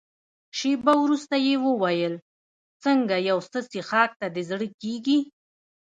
شېبه وروسته يې وویل: څنګه یو څه څیښاک ته دې زړه کېږي؟